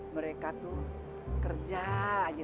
mereka tuh kerja aja